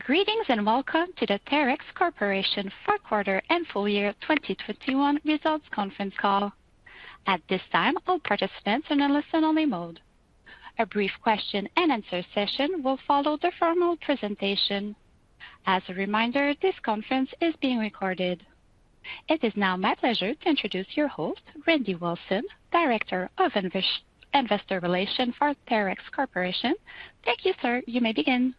Greetings, and welcome to the Terex Corporation fourth quarter and full year 2021 results conference call. At this time, all participants are in listen-only mode. A brief question-and-answer session will follow the formal presentation. As a reminder, this conference is being recorded. It is now my pleasure to introduce your host, Randy Wilson, Director of Investor Relations for Terex Corporation. Thank you, sir. You may begin.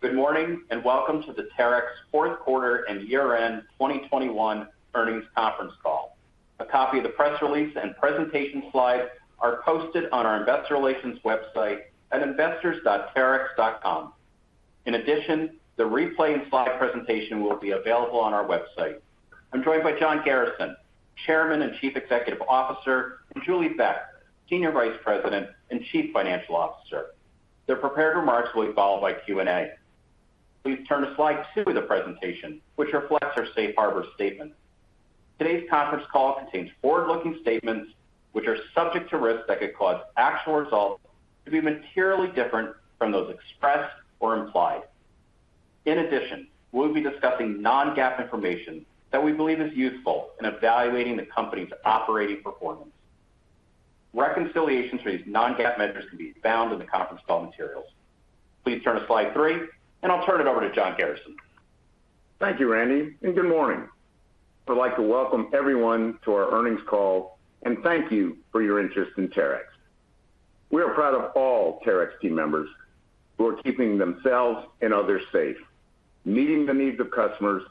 Good morning, and welcome to the Terex fourth quarter and year-end 2021 earnings conference call. A copy of the press release and presentation slides are posted on our investor relations website at investors.terex.com. In addition, the replay and slide presentation will be available on our website. I'm joined by John Garrison, Chairman and Chief Executive Officer, and Julie Beck, Senior Vice President and Chief Financial Officer. Their prepared remarks will be followed by Q&A. Please turn to slide two of the presentation, which reflects our safe harbor statement. Today's conference call contains forward-looking statements which are subject to risks that could cause actual results to be materially different from those expressed or implied. In addition, we'll be discussing non-GAAP information that we believe is useful in evaluating the company's operating performance. Reconciliations for these non-GAAP measures can be found in the conference call materials. Please turn to slide three, and I'll turn it over to John Garrison. Thank you, Randy, and good morning. I'd like to welcome everyone to our earnings call, and thank you for your interest in Terex. We are proud of all Terex team members who are keeping themselves and others safe, meeting the needs of customers,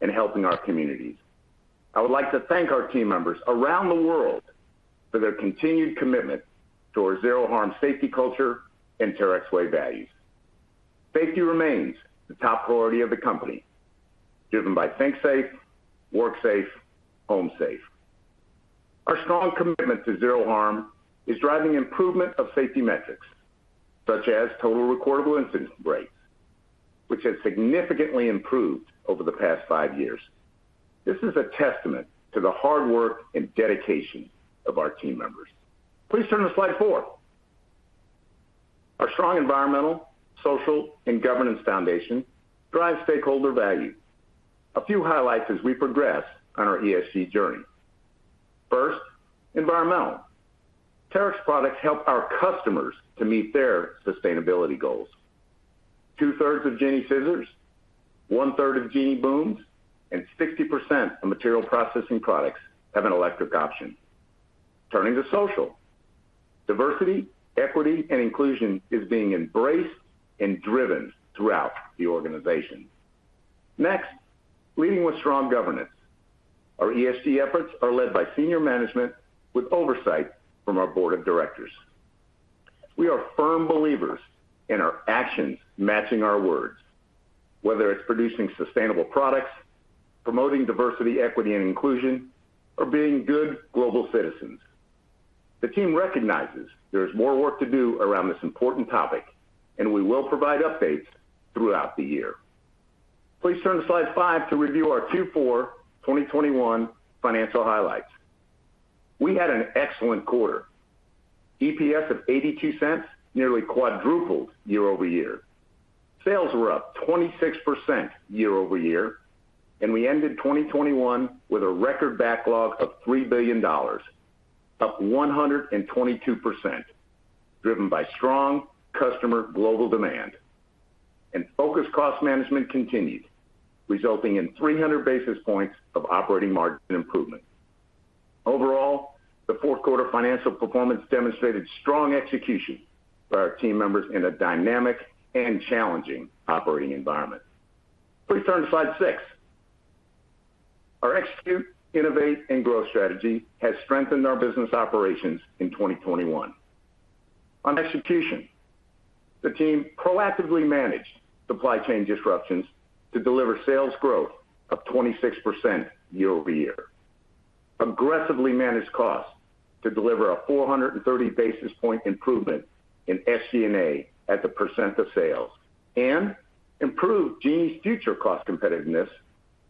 and helping our communities. I would like to thank our team members around the world for their continued commitment to our Zero Harm safety culture and Terex Way values. Safety remains the top priority of the company, driven by Think Safe, Work Safe, Home Safe. Our strong commitment to Zero Harm is driving improvement of safety metrics, such as total recordable incident rates, which has significantly improved over the past five years. This is a testament to the hard work and dedication of our team members. Please turn to slide four. Our strong environmental, social, and governance foundation drives stakeholder value. A few highlights as we progress on our ESG journey. First, environmental. Terex products help our customers to meet their sustainability goals. 2/3 of Genie Scissors, 1/3 of Genie Booms, and 60% of materials processing products have an electric option. Turning to social. Diversity, equity, and inclusion is being embraced and driven throughout the organization. Next, leading with strong governance. Our ESG efforts are led by senior management with oversight from our board of directors. We are firm believers in our actions matching our words, whether it's producing sustainable products, promoting diversity, equity, and inclusion, or being good global citizens. The team recognizes there is more work to do around this important topic, and we will provide updates throughout the year. Please turn to slide five to review our Q4 2021 financial highlights. We had an excellent quarter. EPS of $0.82 nearly quadrupled year-over-year. Sales were up 26% year-over-year, and we ended 2021 with a record backlog of $3 billion, up 122%, driven by strong customer global demand. Focused cost management continued, resulting in 300 basis points of operating margin improvement. Overall, the fourth quarter financial performance demonstrated strong execution by our team members in a dynamic and challenging operating environment. Please turn to slide six. Our execute, innovate, and growth strategy has strengthened our business operations in 2021. On execution, the team proactively managed supply chain disruptions to deliver sales growth of 26% year-over-year, aggressively managed costs to deliver a 430 basis point improvement in SG&A as a percent of sales, and improved Genie's future cost competitiveness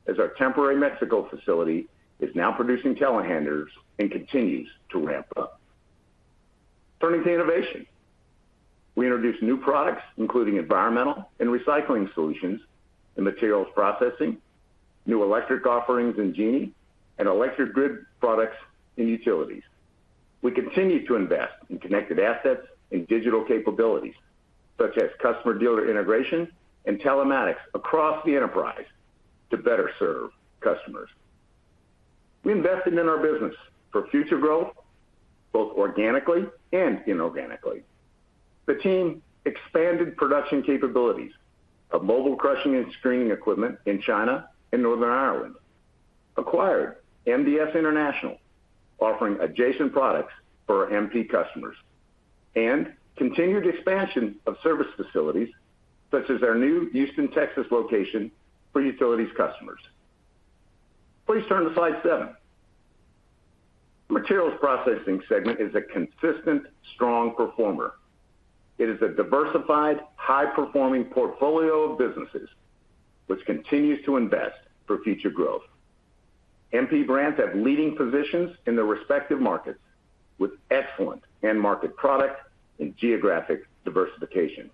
as our temporary Mexico facility is now producing telehandlers and continues to ramp up. Turning to innovation. We introduced new products, including environmental and recycling solutions in Materials Processing, new electric offerings in Genie, and electric grid products in Utilities. We continue to invest in connected assets and digital capabilities, such as customer dealer integration and telematics across the enterprise to better serve customers. We invested in our business for future growth, both organically and inorganically. The team expanded production capabilities of mobile crushing and screening equipment in China and Northern Ireland, acquired MDS International, offering adjacent products for our MP customers, and continued expansion of service facilities such as our new Houston, Texas, location for Utilities customers. Please turn to slide seven. Materials Processing segment is a consistent strong performer. It is a diversified, high-performing portfolio of businesses which continues to invest for future growth. MP brands have leading positions in their respective markets with excellent end market product and geographic diversification.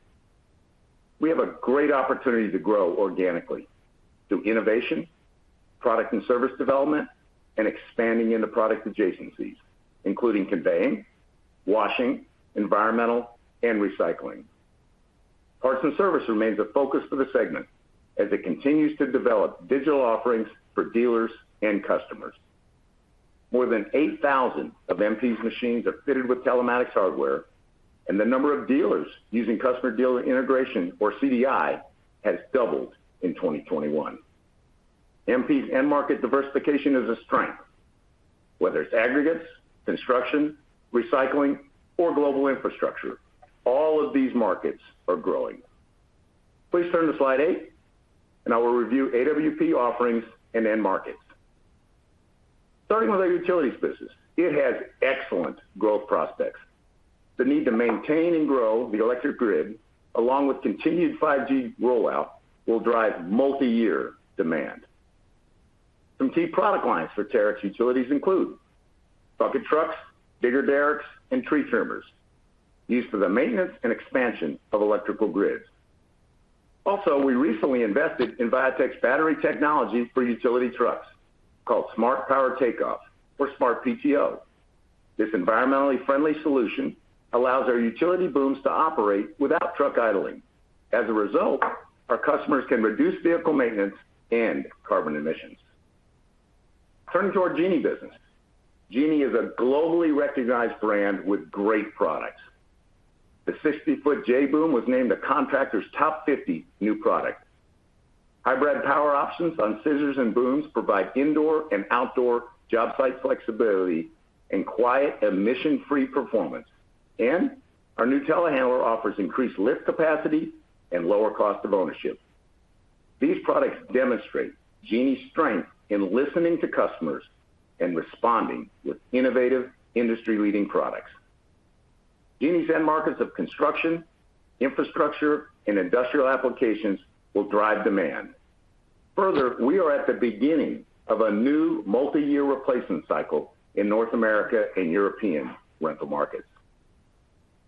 We have a great opportunity to grow organically through innovation, product and service development, and expanding into product adjacencies, including conveying, washing, environmental, and recycling. Parts and service remains a focus for the segment as it continues to develop digital offerings for dealers and customers. More than 8,000 of MP's machines are fitted with telematics hardware, and the number of dealers using customer dealer integration or CDI has doubled in 2021. MP's end market diversification is a strength. Whether it's aggregates, construction, recycling or global infrastructure, all of these markets are growing. Please turn to slide eight and I will review AWP offerings and end markets. Starting with our utilities business, it has excellent growth prospects. The need to maintain and grow the electric grid, along with continued 5G rollout will drive multiyear demand. Some key product lines for Terex Utilities include bucket trucks, digger derricks, and tree trimmers used for the maintenance and expansion of electrical grids. Also, we recently invested in Viatec's battery technology for utility trucks called Smart Power Takeoff or Smart PTO. This environmentally friendly solution allows our utility booms to operate without truck idling. As a result, our customers can reduce vehicle maintenance and carbon emissions. Turning to our Genie business. Genie is a globally recognized brand with great products. The 60-foot J boom was named a Contractor's Top 50 new product. Hybrid power options on scissors and booms provide indoor and outdoor job site flexibility and quiet emission-free performance. Our new telehandler offers increased lift capacity and lower cost of ownership. These products demonstrate Genie's strength in listening to customers and responding with innovative industry-leading products. Genie's end markets of construction, infrastructure, and industrial applications will drive demand. Further, we are at the beginning of a new multi-year replacement cycle in North America and European rental markets.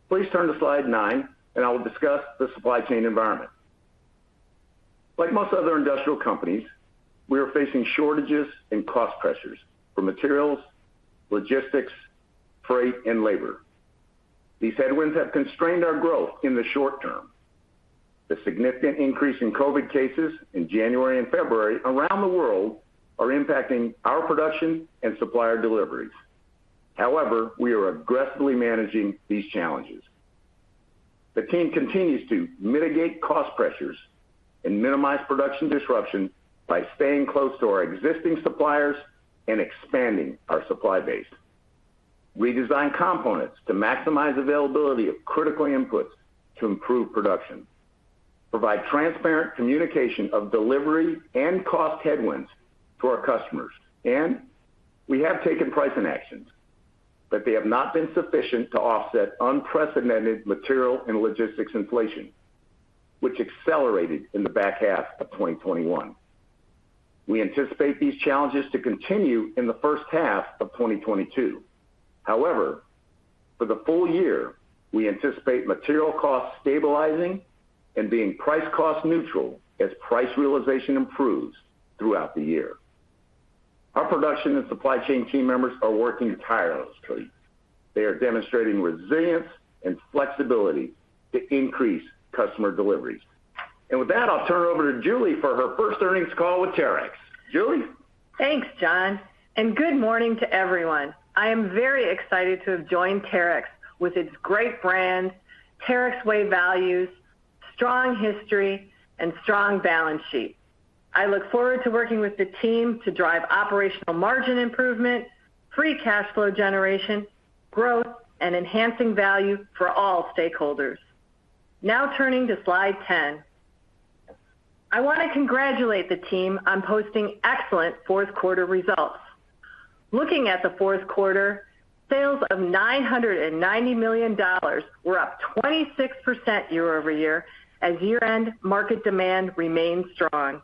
Please turn to slide nine and I will discuss the supply chain environment. Like most other industrial companies, we are facing shortages and cost pressures for materials, logistics, freight and labor. These headwinds have constrained our growth in the short term. The significant increase in COVID cases in January and February around the world are impacting our production and supplier deliveries. However, we are aggressively managing these challenges. The team continues to mitigate cost pressures and minimize production disruption by staying close to our existing suppliers and expanding our supply base. Redesign components to maximize availability of critical inputs to improve production, provide transparent communication of delivery and cost headwinds to our customers, and we have taken pricing actions, but they have not been sufficient to offset unprecedented material and logistics inflation, which accelerated in the back half of 2021. We anticipate these challenges to continue in the first half of 2022. However, for the full year, we anticipate material costs stabilizing and being price cost neutral as price realization improves throughout the year. Our production and supply chain team members are working tirelessly. They are demonstrating resilience and flexibility to increase customer deliveries. With that, I'll turn it over to Julie for her first earnings call with Terex. Julie. Thanks, John, and good morning to everyone. I am very excited to have joined Terex with its great brand, Terex Way values, strong history, and strong balance sheet. I look forward to working with the team to drive operational margin improvement, free cash flow generation, growth and enhancing value for all stakeholders. Now turning to slide 10. I want to congratulate the team on posting excellent fourth quarter results. Looking at the fourth quarter, sales of $990 million were up 26% year-over-year as year-end market demand remained strong.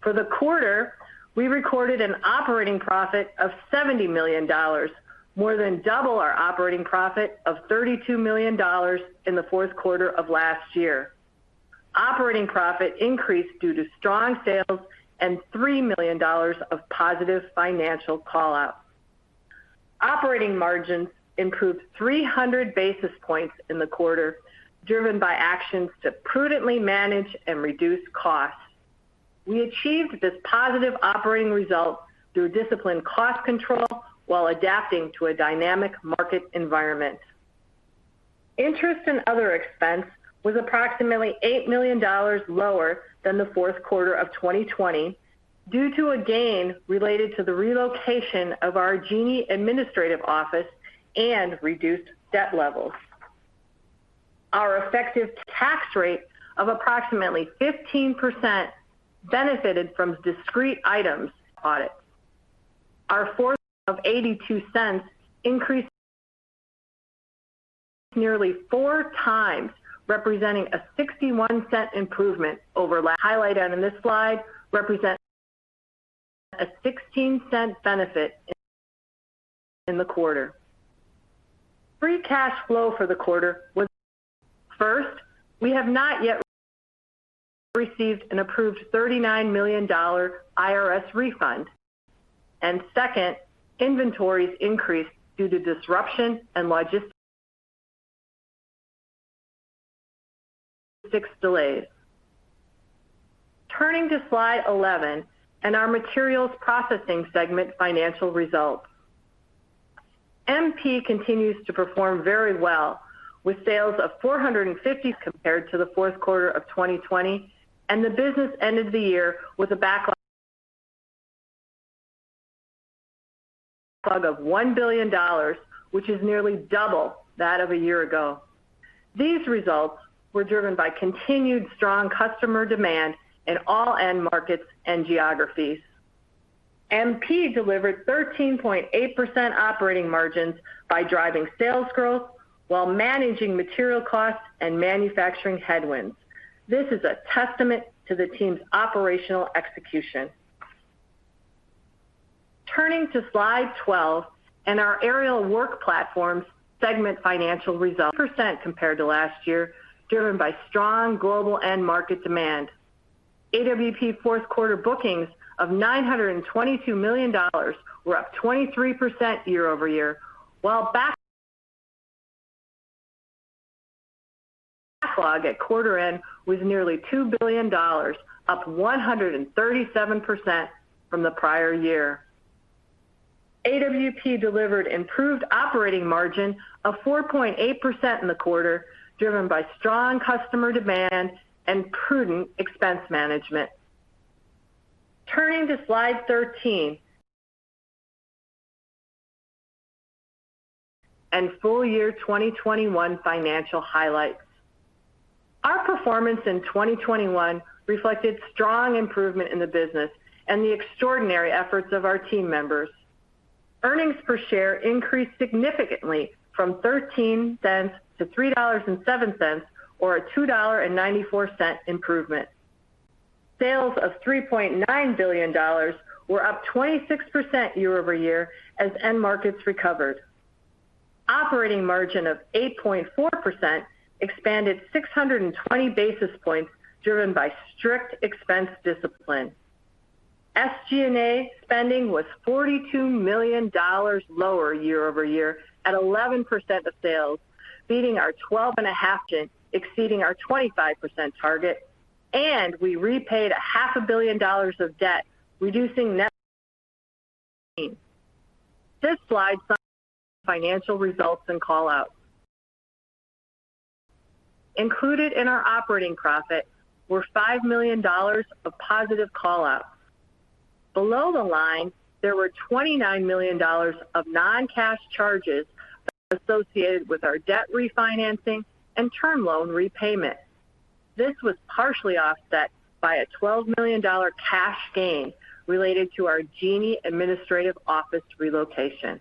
For the quarter, we recorded an operating profit of $70 million, more than double our operating profit of $32 million in the fourth quarter of last year. Operating profit increased due to strong sales and $3 million of positive financial call-outs. Operating margins improved 300 basis points in the quarter, driven by actions to prudently manage and reduce costs. We achieved this positive operating result through disciplined cost control while adapting to a dynamic market environment. Interest and other expense was approximately $8 million lower than the fourth quarter of 2020 due to a gain related to the relocation of our Genie administrative office and reduced debt levels. Our effective tax rate of approximately 15% benefited from discrete items audit. Our EPS of $0.82 increased nearly 4x representing a $0.61 improvement over last. Highlight on this slide represents a $0.16 benefit in the quarter. Free cash flow for the quarter was. First, we have not yet received an approved $39 million IRS refund. Second, inventories increased due to disruption and logistics delays. Turning to slide 11 and our materials processing segment financial results. MP continues to perform very well with sales of $450 million compared to the fourth quarter of 2020, and the business ended the year with a backlog of $1 billion, which is nearly double that of a year ago. These results were driven by continued strong customer demand in all end markets and geographies. MP delivered 13.8% operating margins by driving sales growth while managing material costs and manufacturing headwinds. This is a testament to the team's operational execution. Turning to slide 12 and our aerial work platforms segment financial results. Percent compared to last year, driven by strong global end market demand. AWP fourth-quarter bookings of $922 million were up 23% year-over-year, while backlog at quarter end was nearly $2 billion, up 137% from the prior year. AWP delivered improved operating margin of 4.8% in the quarter, driven by strong customer demand and prudent expense management. Turning to slide 13 and full year 2021 financial highlights. Our performance in 2021 reflected strong improvement in the business and the extraordinary efforts of our team members. Earnings per share increased significantly from $0.13 to $3.07, or a $2.94 improvement. Sales of $3.9 billion were up 26% year-over-year as end markets recovered. Operating margin of 8.4% expanded 620 basis points driven by strict expense discipline. SG&A spending was $42 million lower year-over-year at 11% of sales, beating our 12.5%, exceeding our 25% target, and we repaid $500 million of debt, reducing net. This slide financial results and call outs. Included in our operating profit were $5 million of positive call outs. Below the line, there were $29 million of non-cash charges associated with our debt refinancing and term loan repayment. This was partially offset by a $12 million cash gain related to our Genie administrative office relocation.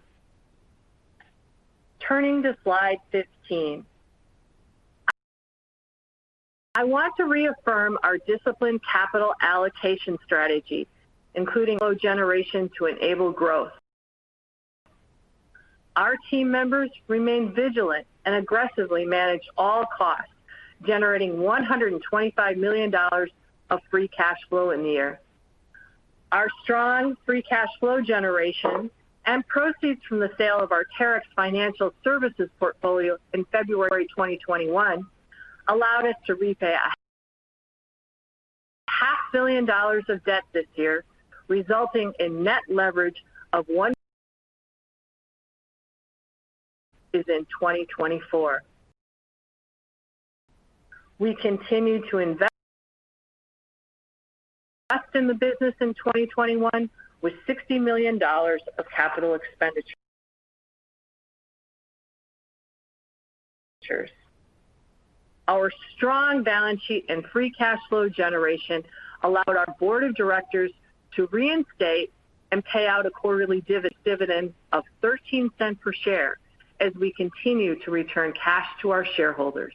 Turning to slide 15. I want to reaffirm our disciplined capital allocation strategy, including flow generation to enable growth. Our team members remain vigilant and aggressively manage all costs, generating $125 million of free cash flow in the year. Our strong free cash flow generation and proceeds from the sale of our Terex Financial Services portfolio in February 2021 allowed us to repay $500 million of debt this year, resulting in net leverage of 1x in 2024. We continue to invest in the business in 2021 with $60 million of capital expenditures. Our strong balance sheet and free cash flow generation allowed our board of directors to reinstate and pay out a quarterly dividend of $0.13 per share as we continue to return cash to our shareholders.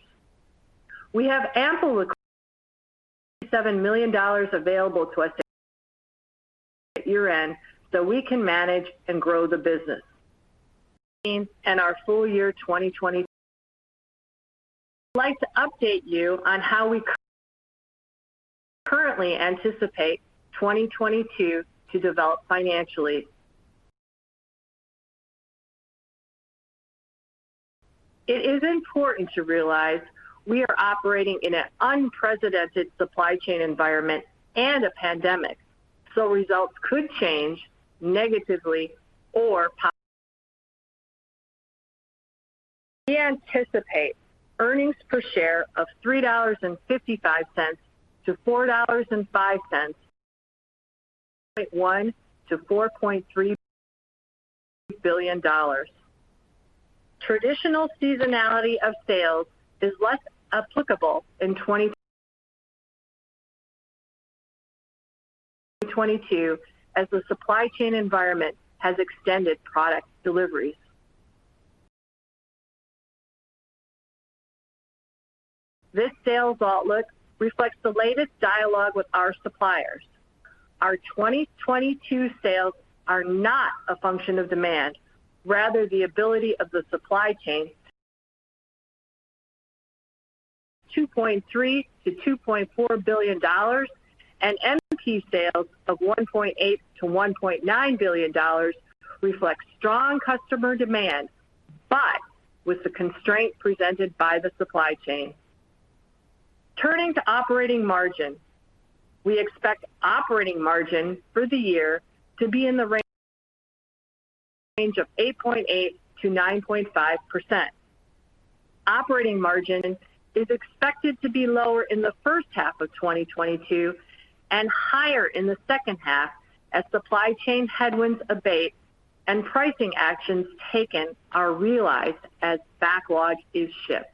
We have ample liquidity of $7 million available to us at year-end, so we can manage and grow the business. Our full year 2021. I'd like to update you on how we currently anticipate 2022 to develop financially. It is important to realize we are operating in an unprecedented supply chain environment and a pandemic, so results could change negatively or positively. We anticipate earnings per share of $3.55-$4.05 to $4.1 billion-$4.3 billion. Traditional seasonality of sales is less applicable in 2022 as the supply chain environment has extended product deliveries. This sales outlook reflects the latest dialogue with our suppliers. Our 2022 sales are not a function of demand, rather the ability of the supply chain. $2.3 billion-$2.4 billion and MP sales of $1.8 billion-$1.9 billion reflect strong customer demand, but with the constraint presented by the supply chain. Turning to operating margin. We expect operating margin for the year to be in the range of 8.8%-9.5%. Operating margin is expected to be lower in the first half of 2022 and higher in the second half as supply chain headwinds abate and pricing actions taken are realized as backlog is shipped.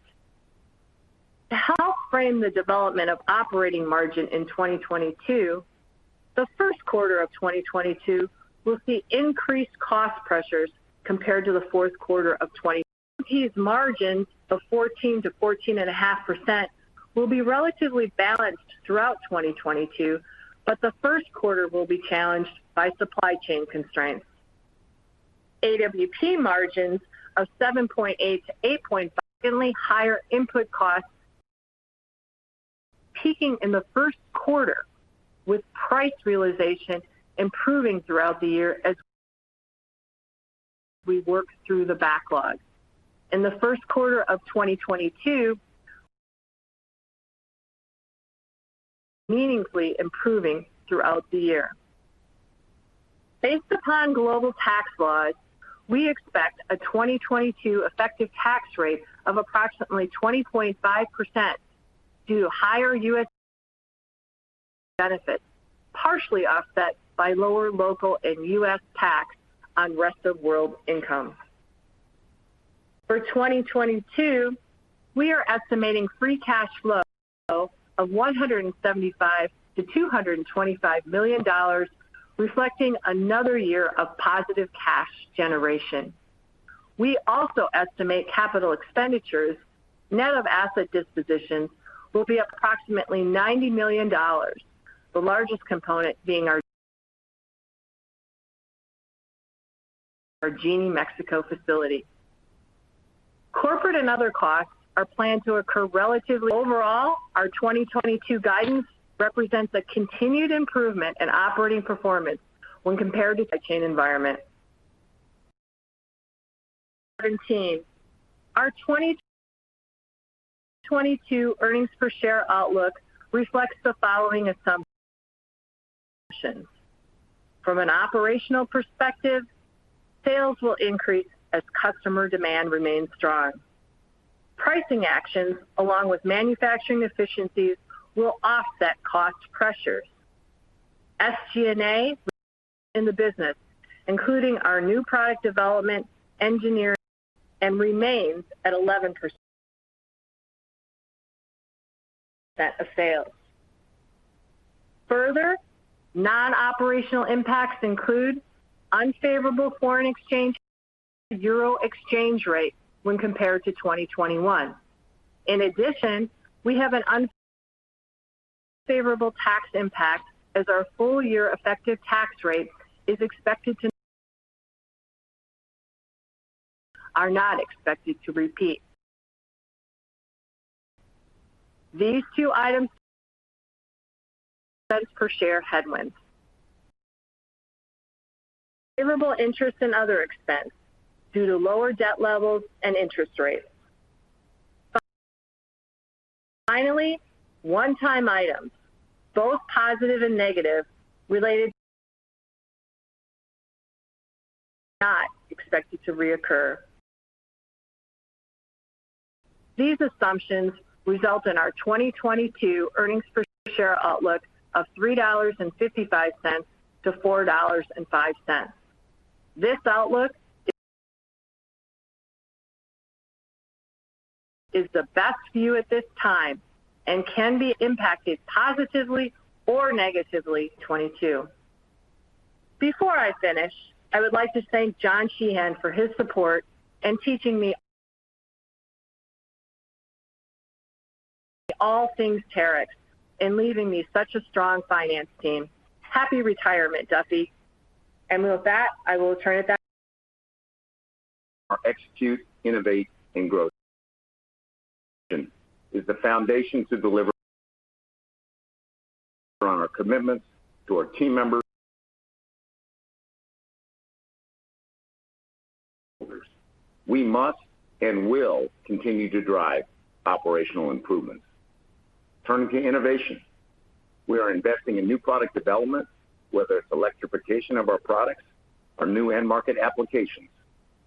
To help frame the development of operating margin in 2022, the first quarter of 2022 will see increased cost pressures compared to the fourth quarter of 2021. MP's margin of 14%-14.5% will be relatively balanced throughout 2022, but the first quarter will be challenged by supply chain constraints. AWP margins of 7.8%-8.5% higher input costs, peaking in the first quarter with price realization improving throughout the year as we work through the backlog. In the first quarter of 2022 meaningfully improving throughout the year. Based upon global tax laws, we expect a 2022 effective tax rate of approximately 20.5% due to higher U.S. benefit, partially offset by lower local and U.S. tax on rest of world income. For 2022, we are estimating free cash flow of $175 million-$225 million, reflecting another year of positive cash generation. We also estimate capital expenditures net of asset dispositions will be approximately $90 million, the largest component being our Genie Mexico facility. Corporate and other costs are planned to occur relatively. Overall, our 2022 guidance represents a continued improvement in operating performance when compared to supply chain environment. Our 2022 earnings per share outlook reflects the following assumptions. From an operational perspective, sales will increase as customer demand remains strong. Pricing actions along with manufacturing efficiencies will offset cost pressures. SG&A in the business, including our new product development, engineering, and remains at 11% of sales. Further, non-operational impacts include unfavorable foreign exchange to euro exchange rate when compared to 2021. In addition, we have an unfavorable tax impact as our full year effective tax rate are not expected to repeat. These two items cents per share headwinds. Favorable interest and other expense due to lower debt levels and interest rates. Finally, one-time items, both positive and negative, related not expected to reoccur. These assumptions result in our 2022 earnings per share outlook of $3.55-$4.05. This outlook is the best view at this time and can be impacted positively or negatively 2022. Before I finish, I would like to thank John Sheehan for his support and teaching me all things Terex and leaving me such a strong finance team. Happy retirement, Duffy. With that, I will turn it back. Our Execute, Innovate, and Growth is the foundation to deliver on our commitments to our team members. We must and will continue to drive operational improvements. Turning to innovation. We are investing in new product development, whether it's electrification of our products or new end market applications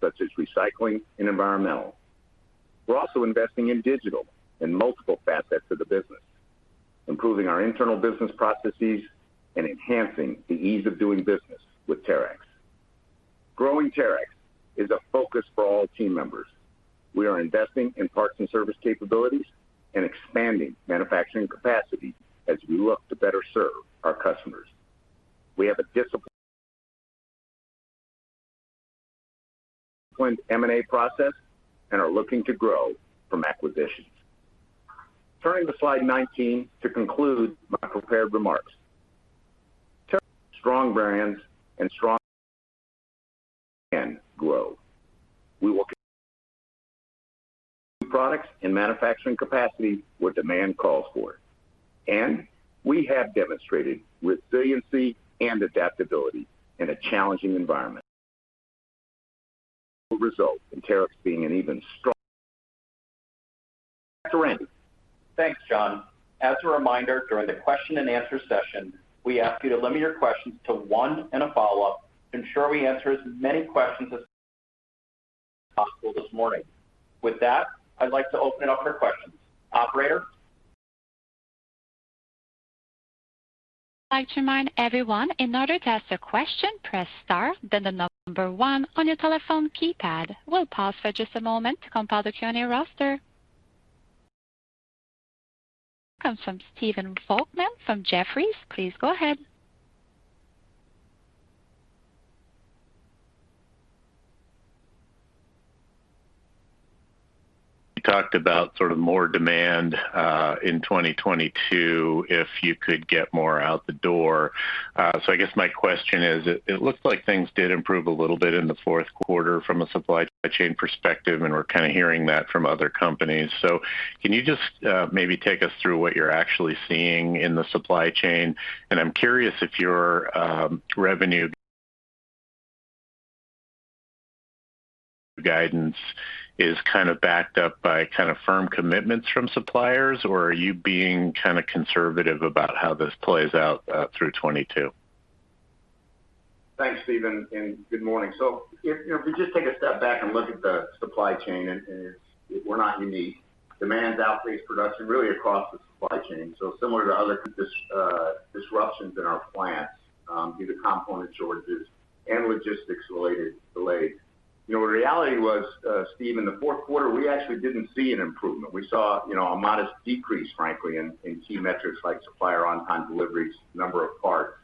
such as recycling and environmental. We're also investing in digital in multiple facets of the business, improving our internal business processes and enhancing the ease of doing business with Terex. Growing Terex is a focus for all team members. We are investing in parts and service capabilities and expanding manufacturing capacity as we look to better serve our customers. We have a disciplined M&A process and are looking to grow from acquisitions. Turning to slide 19 to conclude my prepared remarks. Terex's strong brands and strong cash can grow. We will add products and manufacturing capacity where demand calls for it. We have demonstrated resiliency and adaptability in a challenging environment. This will result in Terex being an even stronger company. Randy. Thanks, John. As a reminder, during the question and answer session, we ask you to limit your questions to one and a follow-up to ensure we answer as many questions as possible this morning. With that, I'd like to open it up for questions. Operator? I'd like to remind everyone, in order to ask a question, press star then the number one on your telephone keypad. We'll pause for just a moment to compile the Q&A roster. Comes from Stephen Volkmann from Jefferies. Please go ahead. You talked about sort of more demand in 2022 if you could get more out the door. I guess my question is, it looks like things did improve a little bit in the fourth quarter from a supply chain perspective, and we're kinda hearing that from other companies. Can you just maybe take us through what you're actually seeing in the supply chain? I'm curious if your revenue guidance is kind of backed up by kind of firm commitments from suppliers, or are you being kind of conservative about how this plays out through 2022? Thanks, Stephen, and good morning. If, you know, if we just take a step back and look at the supply chain, and it's. We're not unique. Demand outpaced production really across the supply chain. Similar to other constraints, disruptions in our plants, either component shortages and logistics-related delays. You know, the reality was, Stephen, in the fourth quarter, we actually didn't see an improvement. We saw, you know, a modest decrease, frankly, in key metrics like supplier on-time deliveries, number of parts.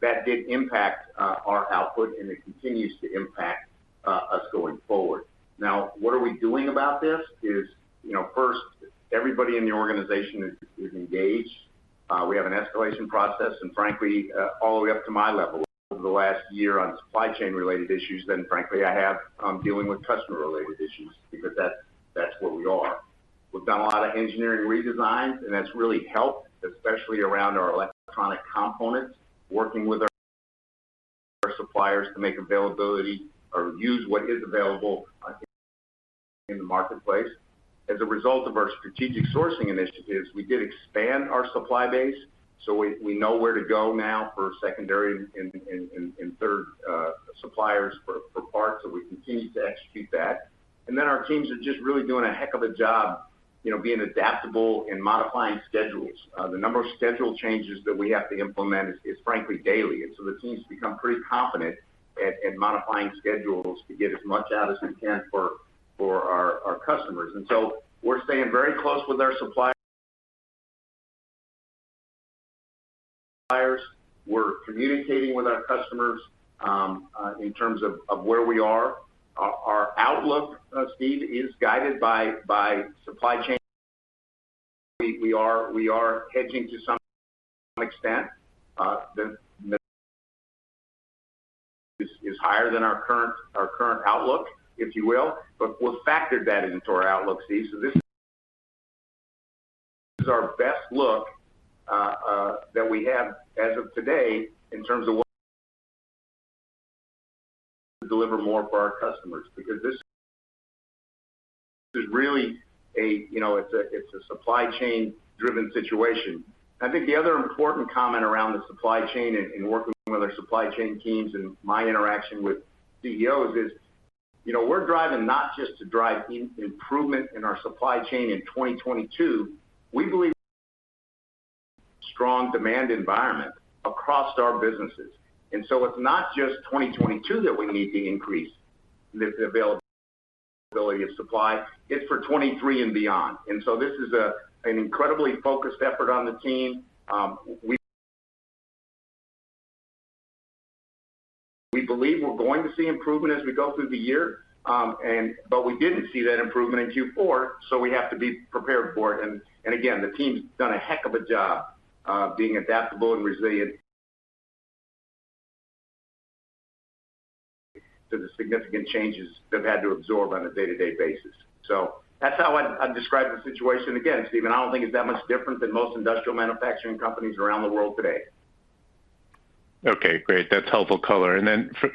That did impact our output, and it continues to impact us going forward. Now, what are we doing about this is, you know, first, everybody in the organization is engaged. We have an escalation process, and frankly, all the way up to my level over the last year on supply chain related issues more than frankly I have dealing with customer related issues because that's where we are. We've done a lot of engineering redesigns, and that's really helped, especially around our electronic components, working with our suppliers to make availability or use what is available in the marketplace. As a result of our strategic sourcing initiatives, we did expand our supply base, so we know where to go now for secondary and third suppliers for parts, so we continue to execute that. Then our teams are just really doing a heck of a job, you know, being adaptable and modifying schedules. The number of schedule changes that we have to implement is frankly daily. The team's become pretty confident at modifying schedules to get as much out as we can for our customers. We're staying very close with our suppliers. We're communicating with our customers in terms of where we are. Our outlook, Steve, is guided by supply chain. We are hedging to some extent. It is higher than our current outlook, if you will. We've factored that into our outlook, Steve, so this is our best look that we have as of today in terms of delivering more for our customers because this is really a, you know, it's a supply chain driven situation. I think the other important comment around the supply chain and working with our supply chain teams and my interaction with CEOs is, you know, we're driving not just to drive improvement in our supply chain in 2022. We believe strong demand environment across our businesses. It's not just 2022 that we need to increase the availability of supply. It's for 2023 and beyond. This is an incredibly focused effort on the team. We believe we're going to see improvement as we go through the year. We didn't see that improvement in Q4, so we have to be prepared for it. Again, the team's done a heck of a job being adaptable and resilient to the significant changes they've had to absorb on a day-to-day basis. That's how I'd describe the situation. Again, Stephen, I don't think it's that much different than most industrial manufacturing companies around the world today. Okay, great. That's helpful color.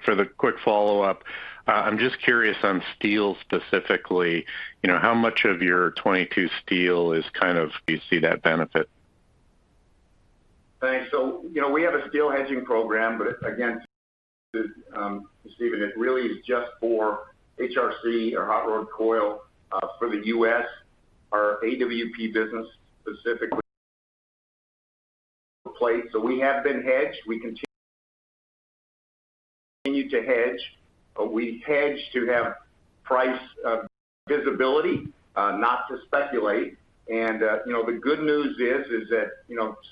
For the quick follow-up, I'm just curious on steel specifically. You know, how much of your 2022 steel do you see that benefit? Thanks. You know, we have a steel hedging program, but again, Stephen, it really is just for HRC or hot rolled coil for the U.S. Our AWP business specifically plate. We have been hedged. We continue to hedge, but we hedge to have price visibility, not to speculate. You know, the good news is that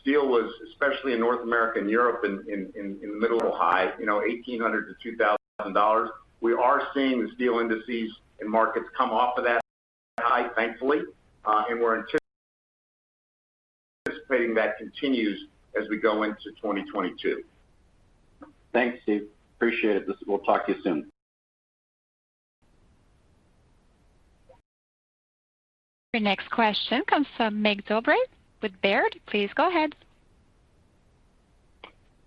steel was, especially in North America and Europe, in the middle high, you know, $1,800-$2,000. We are seeing the steel indices and markets come off of that high, thankfully. We're anticipating that continues as we go into 2022. Thanks, Steve. Appreciate it. We'll talk to you soon. Your next question comes from Mig Dobre with Baird. Please go ahead.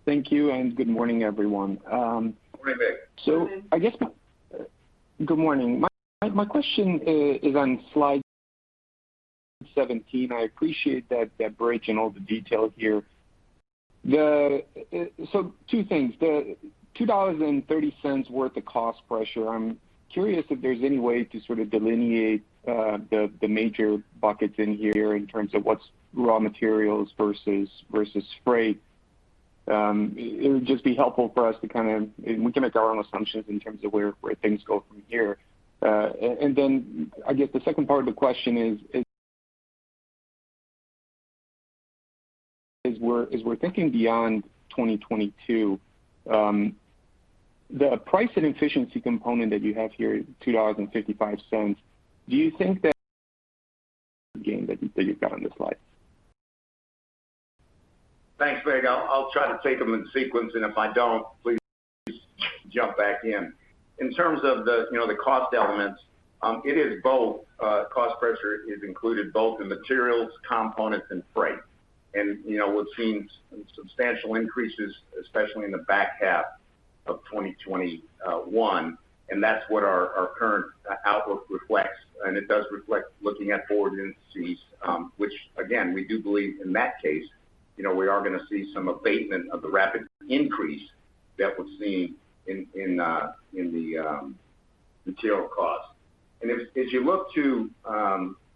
Thank you, and good morning, everyone. Good morning, Mig. Good morning. My question is on slide 17. I appreciate that break and all the details here. Two things. The $2.30 worth of cost pressure, I'm curious if there's any way to sort of delineate the major buckets in here in terms of what's raw materials versus freight. It would just be helpful for us. We can make our own assumptions in terms of where things go from here. I guess the second part of the question is, as we're thinking beyond 2022, the price and efficiency component that you have here, $2.55, do you think that gain that you've got on this slide? Thanks, Mig. I'll try to take them in sequence, and if I don't, please jump back in. In terms of the cost elements, you know, it is both. Cost pressure is included both in materials, components and freight. You know, we've seen substantial increases, especially in the back half of 2021, and that's what our current outlook reflects. It does reflect looking at forward indices, which again, we do believe in that case, you know, we are gonna see some abatement of the rapid increase that we've seen in material costs. As you look to,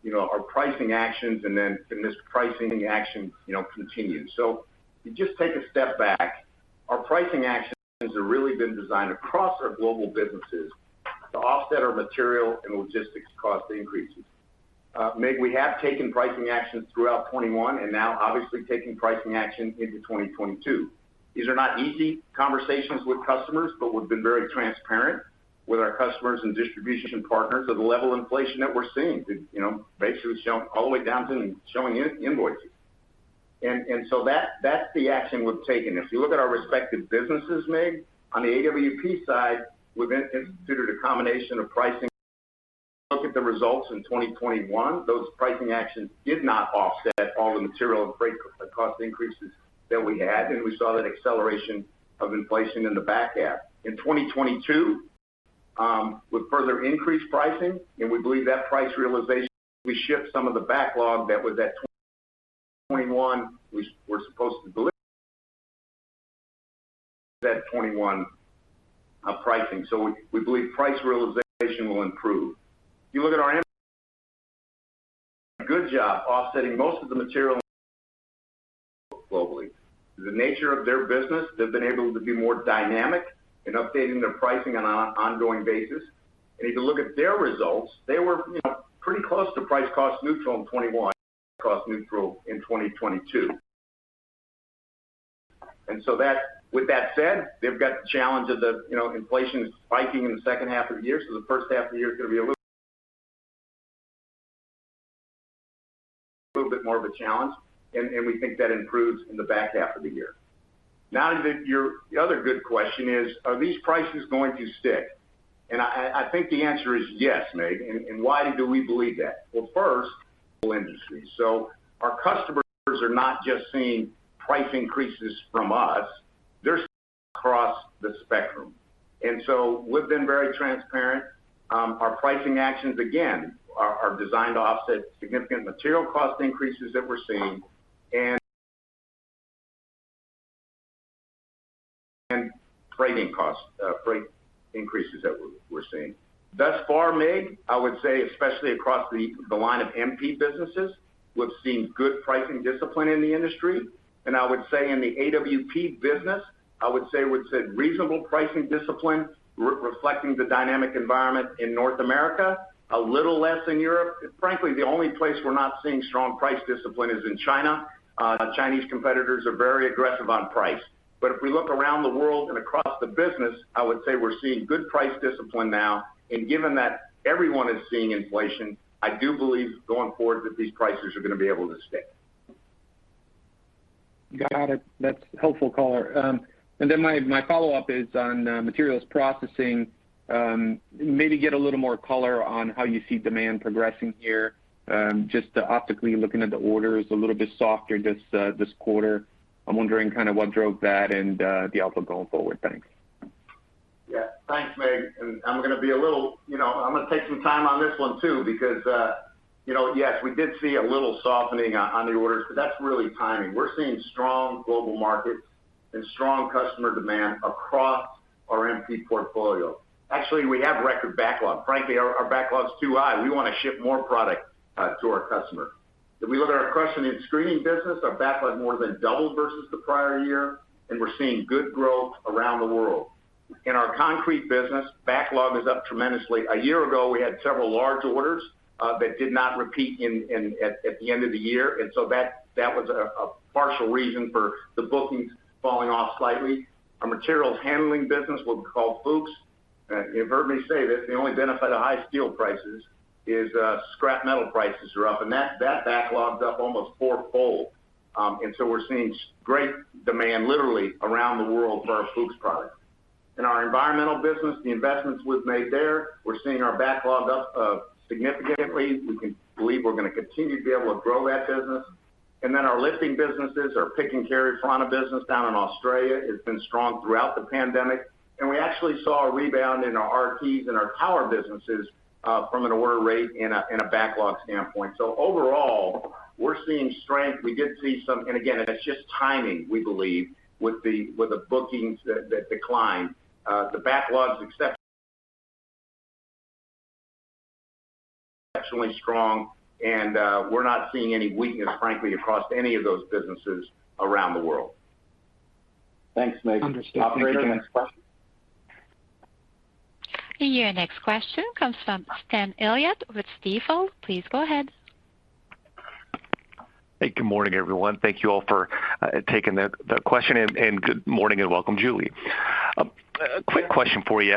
you know, our pricing actions and then can this pricing action continue. If you just take a step back, our pricing actions have really been designed across our global businesses to offset our material and logistics cost increases. Mig, we have taken pricing actions throughout 2021 and now obviously taking pricing action into 2022. These are not easy conversations with customers, but we've been very transparent with our customers and distribution partners of the level of inflation that we're seeing. You know, basically showing all the way down to showing invoices, so that's the action we've taken. If you look at our respective businesses, Mig, on the AWP side, we've instituted a combination of pricing. Look at the results in 2021. Those pricing actions did not offset all the material and freight cost increases that we had. We saw that acceleration of inflation in the back half. In 2022, with further increased pricing, we believe that price realization. We ship some of the backlog that was at 2021. We're supposed to deliver that 2021 pricing. We believe price realization will improve. We did a good job offsetting most of the material globally. The nature of their business, they've been able to be more dynamic in updating their pricing on an ongoing basis. If you look at their results, they were, you know, pretty close to price-cost neutral in 2021. Cost neutral in 2022. With that said, they've got the challenge of the, you know, inflation spiking in the second half of the year. The first half of the year is gonna be a little bit more of a challenge. We think that improves in the back half of the year. Now, the other good question is, are these prices going to stick? I think the answer is yes, Mig. Why do we believe that? Well, first, global industry. Our customers are not just seeing price increases from us, they're across the spectrum. We've been very transparent. Our pricing actions, again, are designed to offset significant material cost increases that we're seeing and freight costs, freight increases that we're seeing. Thus far, Mig, I would say, especially across the line of MP businesses, we've seen good pricing discipline in the industry. I would say in the AWP business, I would say we've seen reasonable pricing discipline reflecting the dynamic environment in North America, a little less in Europe. Frankly, the only place we're not seeing strong price discipline is in China. Chinese competitors are very aggressive on price. If we look around the world and across the business, I would say we're seeing good price discipline now. Given that everyone is seeing inflation, I do believe going forward that these prices are gonna be able to stay. Got it. That's helpful color. My follow-up is on Materials Processing. Maybe get a little more color on how you see demand progressing here. Just optically looking at the orders a little bit softer this quarter. I'm wondering kind of what drove that and the outlook going forward. Thanks. Yeah. Thanks, Mig. I'm gonna be a little, you know, I'm gonna take some time on this one too, because, you know, yes, we did see a little softening on the orders, but that's really timing. We're seeing strong global markets and strong customer demand across our MP portfolio. Actually, we have record backlog. Frankly, our backlog's too high. We wanna ship more product to our customer. If we look at our crushing and screening business, our backlog more than doubled versus the prior year, and we're seeing good growth around the world. In our concrete business, backlog is up tremendously. A year ago, we had several large orders that did not repeat in at the end of the year, and so that was a partial reason for the bookings falling off slightly. Our materials handling business, what we call Fuchs. You've heard me say this, the only benefit of high steel prices is, scrap metal prices are up, and that backlog's up almost fourfold. We're seeing great demand literally around the world for our Fuchs product. In our environmental business, the investments we've made there, we're seeing our backlog up, significantly. We believe we're gonna continue to be able to grow that business. Our lifting businesses, our pick-and-carry Franna business down in Australia has been strong throughout the pandemic. We actually saw a rebound in our RTs and our tower businesses, from an order rate in a backlog standpoint. Overall, we're seeing strength. We did see some. It's just timing, we believe, with the bookings that declined. The backlog's exceptionally strong and we're not seeing any weakness, frankly, across any of those businesses around the world. Thanks, Mig. Understood. Thank you. Operator, next question. Your next question comes from Stanley Elliott with Stifel. Please go ahead. Hey, good morning, everyone. Thank you all for taking the question and good morning and welcome, Julie. A quick question for you.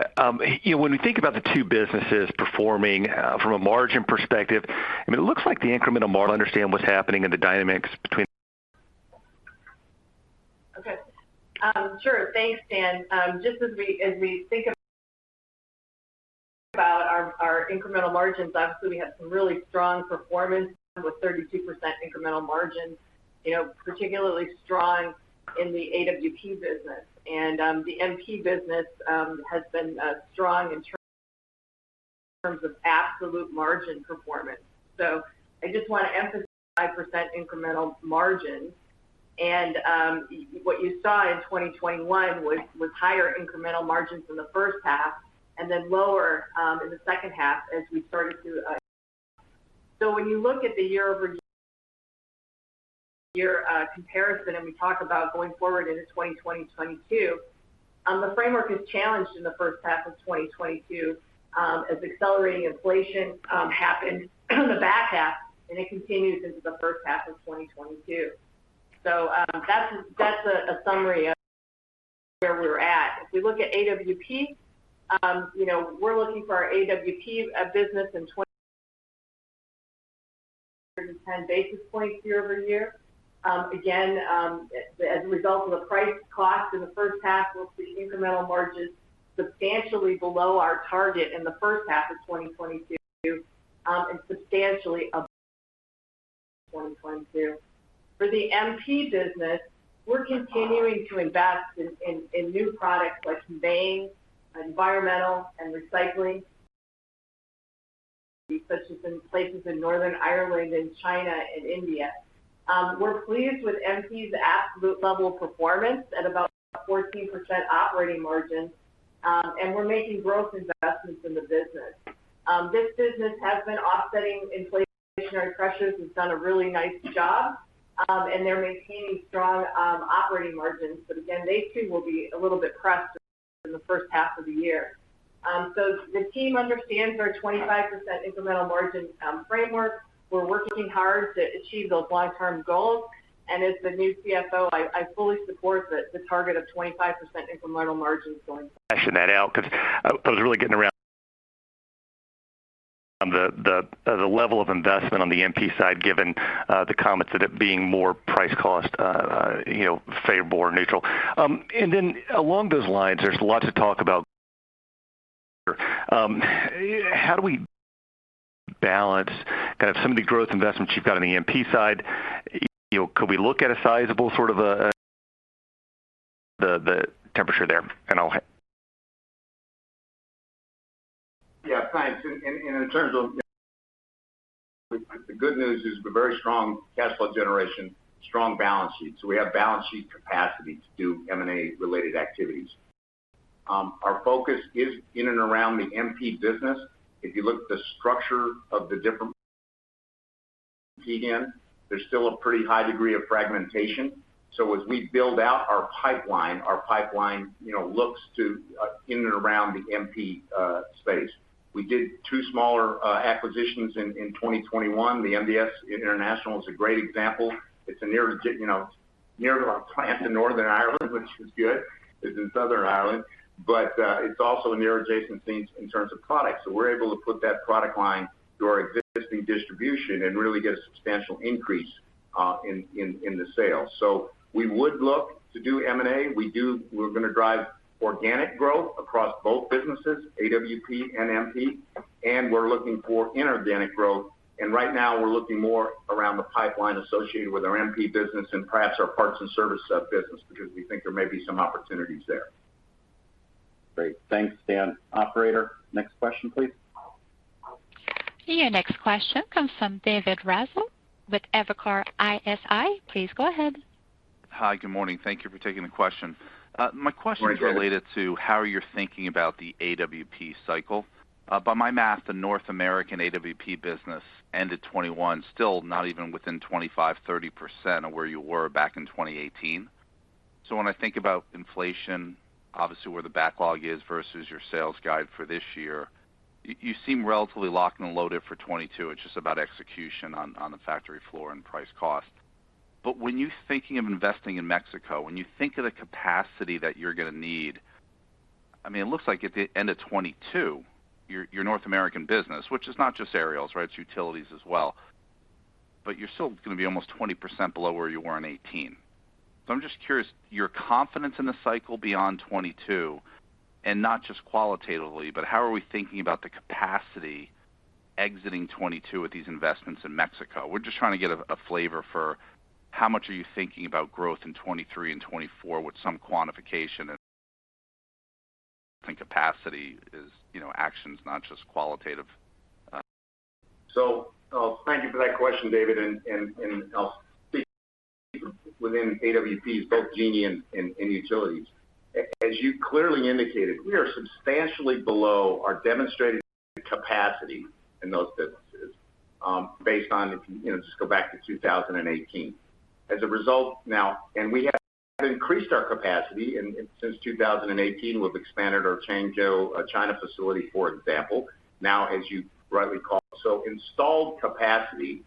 You know, when we think about the two businesses performing from a margin perspective, I mean, it looks like the incremental margins. Understand what's happening and the dynamics between. Okay. Sure. Thanks, Stan. Just as we think about our incremental margins, obviously we had some really strong performance with 32% incremental margin, you know, particularly strong in the AWP business. The MP business has been strong in terms of absolute margin performance. I just wanna emphasize percent incremental margin. What you saw in 2021 was higher incremental margins in the first half and then lower in the second half as we started to. When you look at the year-over-year comparison and we talk about going forward into 2022, the framework is challenged in the first half of 2022 as accelerating inflation happened in the back half, and it continues into the first half of 2022. That's a summary of where we're at. If we look at AWP, you know, we're looking for our AWP business in 210 basis points year-over-year. Again, as a result of the price-cost in the first half, we'll see incremental margins substantially below our target in the first half of 2022 and substantially above our target in the second half of 2022. For the MP business, we're continuing to invest in new products like conveying, environmental, and recycling, such as in places in Northern Ireland and China and India. We're pleased with MP's absolute level of performance at about 14% operating margin, and we're making growth investments in the business. This business has been offsetting inflationary pressures. It's done a really nice job, and they're maintaining strong operating margins. Again, they too will be a little bit pressed in the first half of the year. The team understands our 25% incremental margin framework. We're working hard to achieve those long-term goals. As the new CFO, I fully support the target of 25% incremental margins going. Hashing that out 'cause I was really getting around the level of investment on the MP side given the comments that it being more price-cost, you know, favorable or neutral. Then along those lines, there's lots of talk about how do we balance kind of some of the growth investments you've got on the MP side? You know, could we look at a sizable sort of a temperature there? I'll have. Yeah. Thanks. In terms of the good news is the very strong cash flow generation, strong balance sheet. We have balance sheet capacity to do M&A related activities. Our focus is in and around the MP business. If you look at the structure of the different MP again, there's still a pretty high degree of fragmentation. As we build out our pipeline, you know, looks to in and around the MP space. We did two smaller acquisitions in 2021. The MDS International is a great example. It's a near to, you know, near to our plant in Northern Ireland, which is good. It's in Southern Ireland. It's also a near adjacent thing in terms of products. We're able to put that product line through our existing distribution and really get a substantial increase in the sales. We would look to do M&A. We're gonna drive organic growth across both businesses, AWP and MP, and we're looking for inorganic growth. Right now we're looking more around the pipeline associated with our MP business and perhaps our parts and service business because we think there may be some opportunities there. Great. Thanks, Stan. Operator, next question, please. Your next question comes from David Raso with Evercore ISI. Please go ahead. Hi. Good morning. Thank you for taking the question. Morning, David. My question is related to how you're thinking about the AWP cycle. By my math, the North American AWP business ended 2021 still not even within 25%-30% of where you were back in 2018. When I think about inflation, obviously where the backlog is versus your sales guide for this year, you seem relatively locked and loaded for 2022. It's just about execution on the factory floor and price cost. When you're thinking of investing in Mexico, when you think of the capacity that you're gonna need, I mean, it looks like at the end of 2022, your North American business, which is not just Aerials, right? It's Utilities as well, but you're still gonna be almost 20% below where you were in 2018. I'm just curious your confidence in the cycle beyond 2022, and not just qualitatively, but how are we thinking about the capacity exiting 2022 with these investments in Mexico? We're just trying to get a flavor for how much are you thinking about growth in 2023 and 2024 with some quantification and capacity is, you know, actions, not just qualitative. Thank you for that question, David. I'll speak within AWPs, both Genie and Utilities. As you clearly indicated, we are substantially below our demonstrated capacity in those businesses, based on if you know, just go back to 2018. As a result, we have increased our capacity since 2018. We've expanded our Changzhou, China facility, for example. Now, as you rightly call. Installed capacity,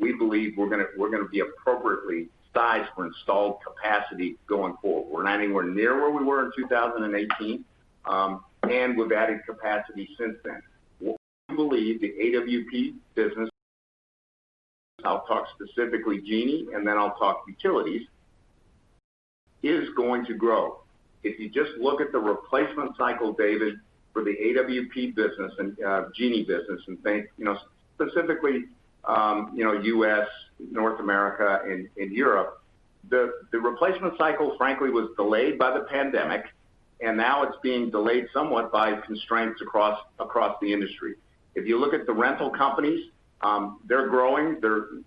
we believe we're gonna be appropriately sized for installed capacity going forward. We're not anywhere near where we were in 2018, and we've added capacity since then. We believe the AWP business, I'll talk specifically Genie, and then I'll talk Utilities, is going to grow. If you just look at the replacement cycle, David, for the AWP business and Genie business and think, you know, specifically, you know, U.S., North America, and Europe, the replacement cycle, frankly, was delayed by the pandemic, and now it's being delayed somewhat by constraints across the industry. If you look at the rental companies, they're growing.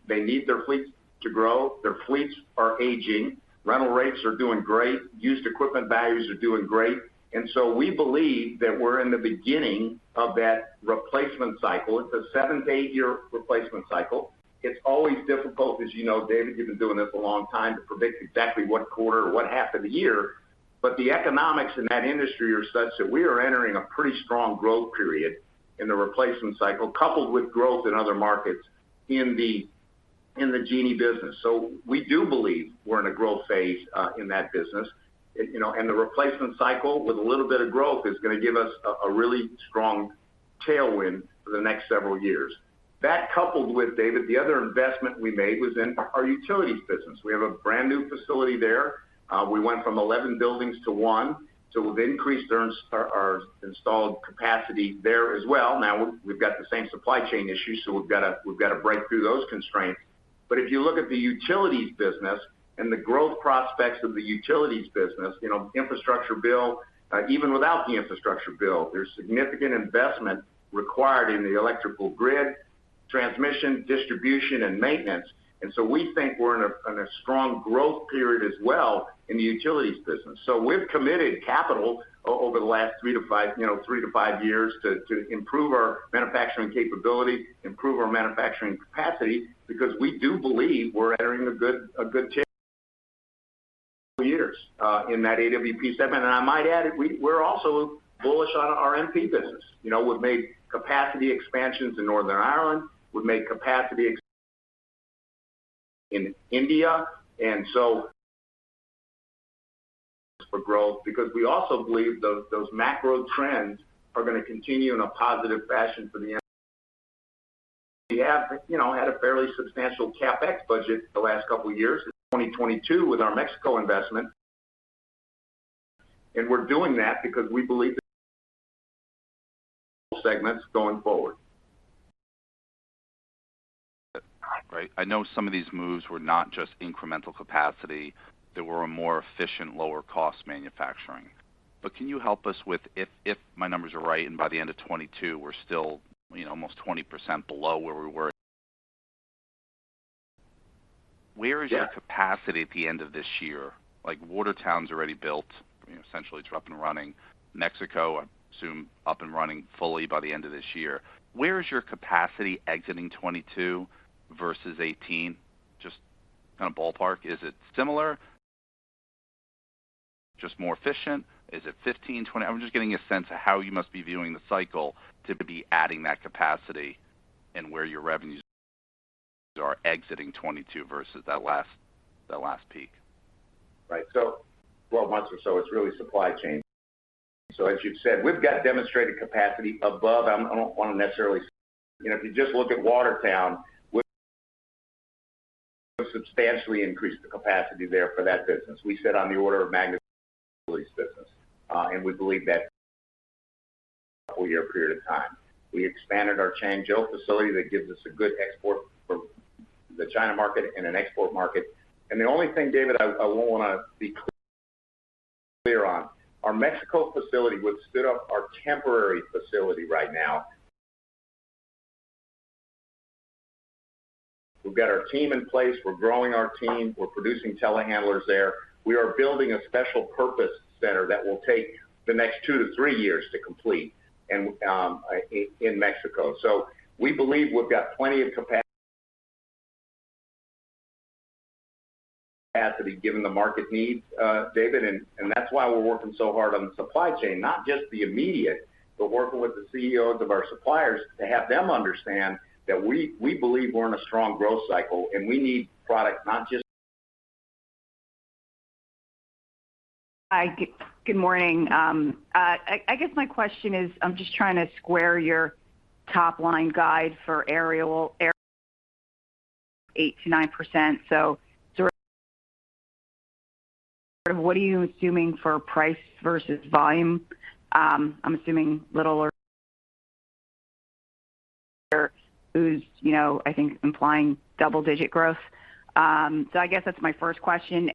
They need their fleets to grow. Their fleets are aging. Rental rates are doing great. Used equipment values are doing great. We believe that we're in the beginning of that replacement cycle. It's a seven to eight year replacement cycle. It's always difficult, as you know, David, you've been doing this a long time, to predict exactly what quarter or what half of the year. The economics in that industry are such that we are entering a pretty strong growth period in the replacement cycle, coupled with growth in other markets in the Genie business. We do believe we're in a growth phase in that business. You know, the replacement cycle with a little bit of growth is gonna give us a really strong tailwind for the next several years. That coupled with, David, the other investment we made was in our Utilities business. We have a brand-new facility there. We went from 11 buildings to one. We've increased our installed capacity there as well. Now we've got the same supply chain issues, so we've gotta break through those constraints. If you look at the Utilities business and the growth prospects of the Utilities business, you know, infrastructure bill, even without the infrastructure bill, there's significant investment required in the electrical grid, transmission, distribution, and maintenance. We think we're in a strong growth period as well in the Utilities business. We've committed capital over the last three to five, you know, three to five years to improve our manufacturing capability, improve our manufacturing capacity, because we do believe we're entering good years in that AWP segment. I might add, we're also bullish on our MP business. You know, we've made capacity expansions in Northern Ireland. We've made capacity expansions in India. For growth, because we also believe those macro trends are gonna continue in a positive fashion for the. We have, you know, had a fairly substantial CapEx budget the last couple years, in 2022 with our Mexico investment. We're doing that because we believe segments going forward. Right. I know some of these moves were not just incremental capacity. They were a more efficient, lower cost manufacturing. Can you help us with if my numbers are right and by the end of 2022 we're still, you know, almost 20% below where we were. Where is your capacity at the end of this year? Like, Watertown's already built, you know, essentially it's up and running. Mexico, I assume, up and running fully by the end of this year. Where is your capacity exiting 2022 versus 2018? Just kinda ballpark. Is it similar? Just more efficient? Is it 15%, 20%? I'm just getting a sense of how you must be viewing the cycle to be adding that capacity and where your revenues are exiting 2022 versus that last peak. Right. Well, once or so, it's really supply chain. As you've said, we've got demonstrated capacity above. I don't want to necessarily. You know, if you just look at Watertown, we've substantially increased the capacity there for that business. We sit on the order of magnitude business, and we believe that over a year period of time. We expanded our Changzhou facility that gives us a good export for the China market and an export market. The only thing, David, I want to be clear on. Our Mexico facility, which we stood up our temporary facility right now. We've got our team in place. We're growing our team. We're producing telehandlers there. We are building a special purpose center that will take the next two to three years to complete, in Mexico. We believe we've got plenty of capacity, given the market needs, David, and that's why we're working so hard on the supply chain, not just the immediate, but working with the CEOs of our suppliers to have them understand that we believe we're in a strong growth cycle, and we need product not just. Hi. Good morning. I guess my question is I'm just trying to square your top-line guide for Aerial, 8%-9%. Sort of what are you assuming for price versus volume? I'm assuming little or no, you know, I think implying double-digit growth. I guess that's my first question.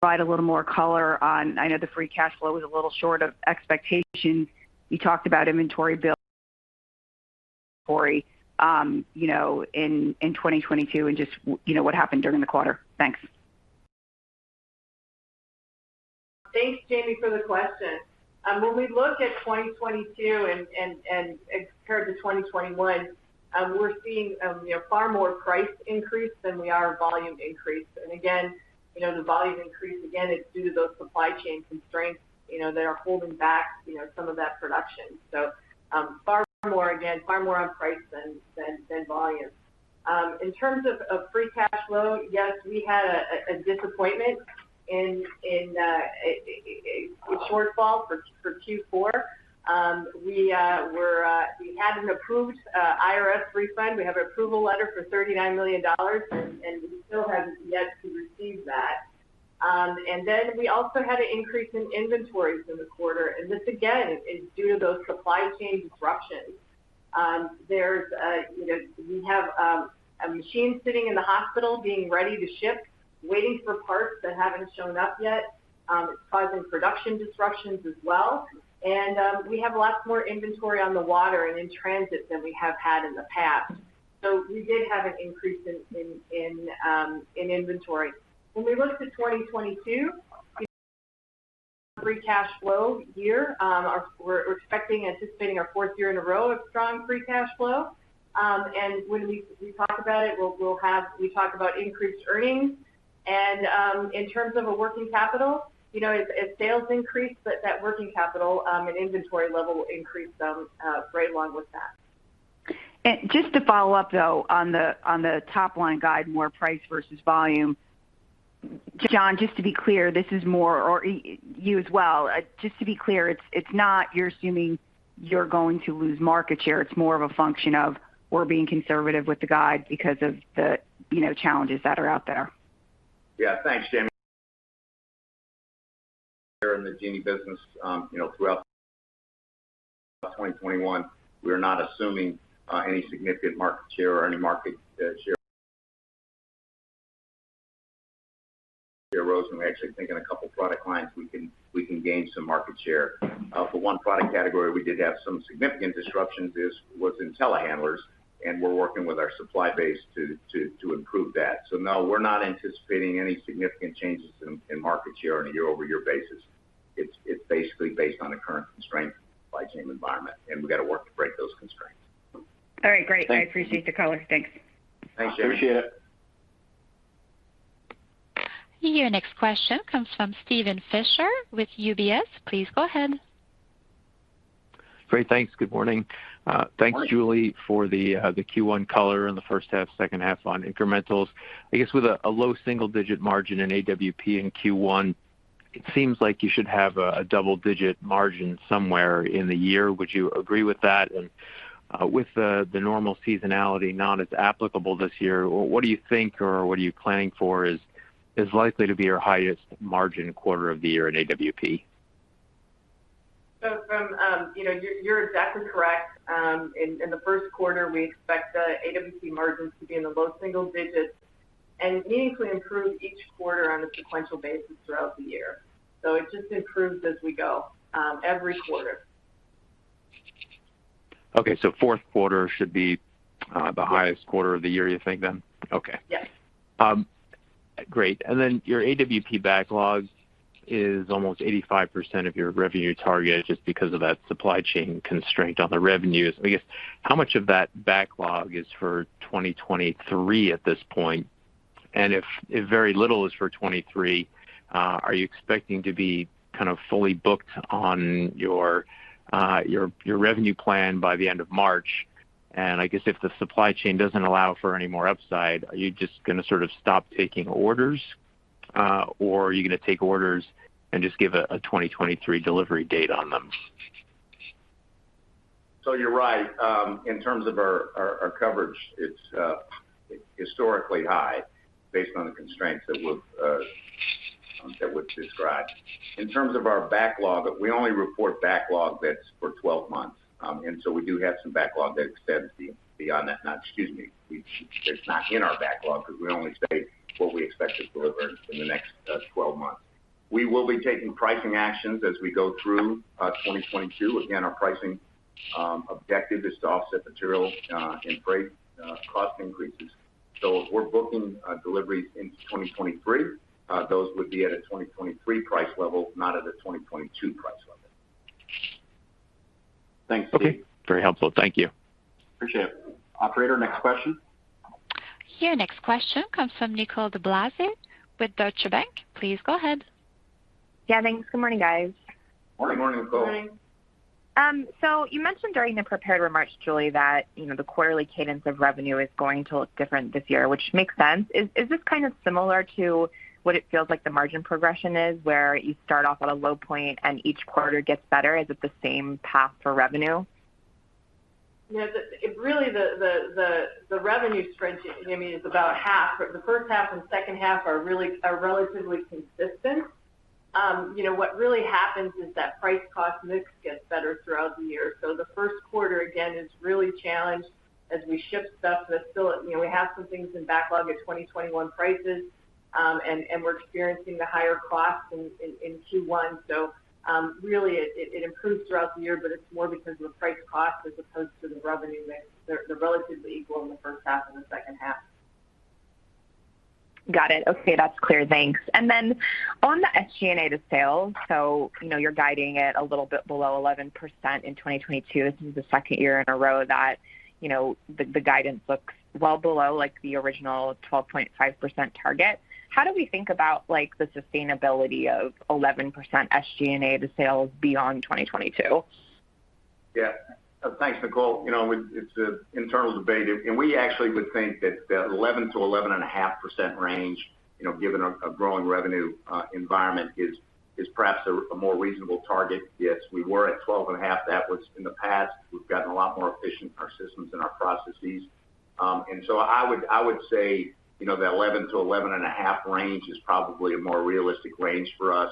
Provide a little more color on. I know the free cash flow was a little short of expectation. You talked about inventory build, you know, in 2022 and just, you know, what happened during the quarter. Thanks. Thanks, Jamie, for the question. When we look at 2022 and compared to 2021, we're seeing you know, far more price increase than we are volume increase. Again, you know, the volume increase, it's due to those supply chain constraints, you know, that are holding back you know, some of that production. Far more on price than volume. In terms of free cash flow, yes, we had a disappointment in a shortfall for Q4. We had an approved IRS refund. We have an approval letter for $39 million, and we still have yet to receive that. We also had an increase in inventories in the quarter, and this again is due to those supply chain disruptions. There's you know, we have a machine sitting in the hospital being ready to ship, waiting for parts that haven't shown up yet. It's causing production disruptions as well. We have lots more inventory on the water and in transit than we have had in the past. We did have an increase in inventory. When we look to 2022 free cash flow year, we're expecting, anticipating our fourth year in a row of strong free cash flow. When we talk about it, we'll have increased earnings. In terms of a working capital, you know, as sales increase, but that working capital and inventory level will increase right along with that. Just to follow up, though, on the top-line guide, more price versus volume. John, just to be clear, this is more or you as well. Just to be clear, it's not you're assuming you're going to lose market share. It's more of a function of we're being conservative with the guide because of the, you know, challenges that are out there. Yeah. Thanks, Jamie. In the Genie business, you know, throughout 2021, we are not assuming any significant market share or any market share loss, and we're actually thinking a couple product lines we can gain some market share. For one product category, we did have some significant disruptions. This was in telehandlers, and we're working with our supply base to improve that. No, we're not anticipating any significant changes in market share on a year-over-year basis. It's basically based on the current constrained supply chain environment, and we got to work to break those constraints. All right, great. Thanks. I appreciate the color. Thanks. Thanks, Jamie. Appreciate it. Your next question comes from Steven Fisher with UBS. Please go ahead. Great. Thanks. Good morning. Good morning. Thanks, Julie, for the Q1 color in the first half, second half on incrementals. I guess with a low single digit margin in AWP in Q1, it seems like you should have a double-digit margin somewhere in the year. Would you agree with that? With the normal seasonality not as applicable this year, what do you think or what are you planning for is likely to be your highest margin quarter of the year in AWP? You're exactly correct. In the first quarter, we expect AWP margins to be in the low single digits% and meaningfully improve each quarter on a sequential basis throughout the year. It just improves as we go every quarter. Okay. Fourth quarter should be the highest quarter of the year, you think then? Okay. Yes. Great. Your AWP backlog is almost 85% of your revenue target just because of that supply chain constraint on the revenues. I guess how much of that backlog is for 2023 at this point? If very little is for 2023, are you expecting to be kind of fully booked on your revenue plan by the end of March? If the supply chain doesn't allow for any more upside, are you just gonna sort of stop taking orders, or are you gonna take orders and just give a 2023 delivery date on them? You're right. In terms of our coverage, it's historically high based on the constraints that we've described. In terms of our backlog, we only report backlog that's for 12 months. We do have some backlog that extends beyond that. Now, excuse me, it's not in our backlog because we only state what we expect to deliver in the next 12 months. We will be taking pricing actions as we go through 2022. Again, our pricing objective is to offset material and freight cost increases. If we're booking deliveries in 2023, those would be at a 2023 price level, not at a 2022 price level. Thanks, Jerry. Okay. Very helpful. Thank you. Appreciate it. Operator, next question. Your next question comes from Nicole DeBlase with Deutsche Bank. Please go ahead. Yeah, thanks. Good morning, guys. Morning. Morning, Nicole. You mentioned during the prepared remarks, Julie, that, you know, the quarterly cadence of revenue is going to look different this year, which makes sense. Is this kind of similar to what it feels like the margin progression is where you start off at a low point and each quarter gets better? Is it the same path for revenue? Yeah. It really, the revenue spread, I mean, is about half. The first half and second half are relatively consistent. You know, what really happens is that price cost mix gets better throughout the year. The first quarter, again, is really challenged as we ship stuff that's still, you know, we have some things in backlog at 2021 prices, and we're experiencing the higher costs in Q1. Really it improves throughout the year, but it's more because of the price cost as opposed to the revenue mix. They're relatively equal in the first half and the second half. Got it. Okay, that's clear. Thanks. On the SG&A to sales, so you know, you're guiding it a little bit below 11% in 2022. This is the second year in a row that, you know, the guidance looks well below like the original 12.5% target. How do we think about like the sustainability of 11% SG&A to sales beyond 2022? Yeah. Thanks, Nicole. You know, it's an internal debate, and we actually would think that the 11%-11.5% range, you know, given a growing revenue environment is perhaps a more reasonable target. Yes, we were at 12.5%. That was in the past. We've gotten a lot more efficient in our systems and our processes. I would say, you know, the 11%-11.5% range is probably a more realistic range for us,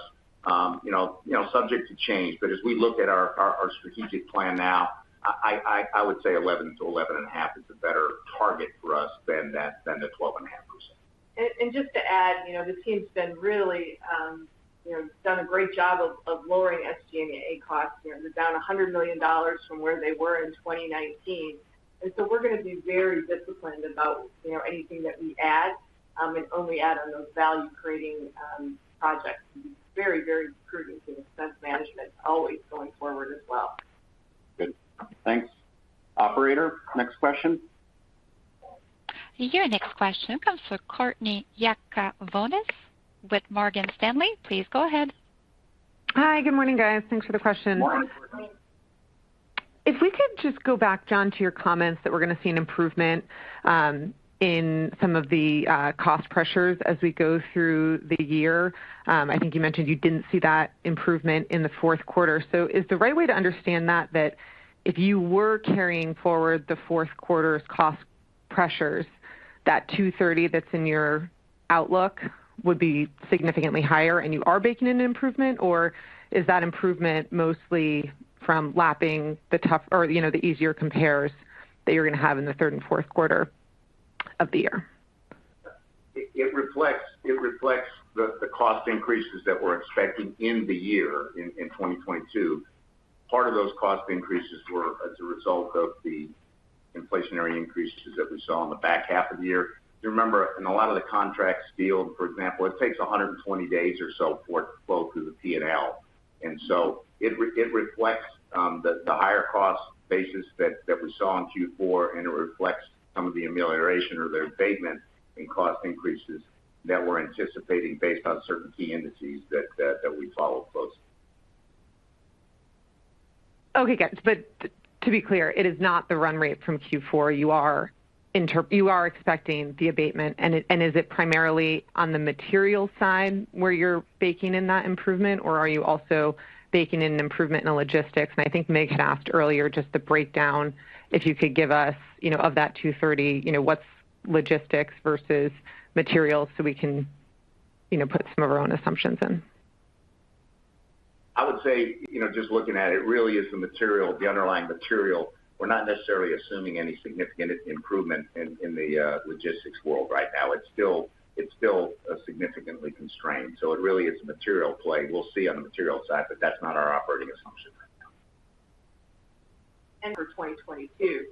you know, subject to change. As we look at our strategic plan now, I would say 11%-11.5% is a better target for us than the 12.5%. Just to add, you know, the team's been really, you know, done a great job of lowering SG&A costs. You know, they're down $100 million from where they were in 2019. We're gonna be very disciplined about, you know, anything that we add, and only add on those value-creating projects and be very prudent in expense management always going forward as well. Good. Thanks. Operator, next question. Your next question comes from Courtney Yakavonis with Morgan Stanley. Please go ahead. Hi, good morning, guys. Thanks for the question. Morning. Morning. If we could just go back, John, to your comments that we're gonna see an improvement in some of the cost pressures as we go through the year. I think you mentioned you didn't see that improvement in the fourth quarter. Is the right way to understand that if you were carrying forward the fourth quarter's cost pressures, that $2.30 that's in your outlook would be significantly higher, and you are baking in an improvement? Or is that improvement mostly from lapping the tough or, you know, the easier compares that you're gonna have in the third and fourth quarter of the year? It reflects the cost increases that we're expecting in the year in 2022. Part of those cost increases were as a result of the inflationary increases that we saw in the back half of the year. You remember in a lot of the contracts deal, for example, it takes 120 days or so for it to flow through the P&L. It reflects the higher cost basis that we saw in Q4, and it reflects some of the amelioration or the abatement in cost increases that we're anticipating based on certain key indices that we follow closely. Okay, got it. To be clear, it is not the run rate from Q4. You are expecting the abatement. Is it primarily on the material side where you're baking in that improvement, or are you also baking in an improvement in the logistics? I think Mig had asked earlier just the breakdown, if you could give us, you know, of that $230, you know, what's logistics versus materials so we can, you know, put some of our own assumptions in. I would say, you know, just looking at it really is the material, the underlying material. We're not necessarily assuming any significant improvement in the logistics world right now. It's still significantly constrained, so it really is material play. We'll see on the material side, but that's not our operating assumption right now. For 2022. You